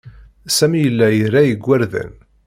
Sami yella ira igerdan.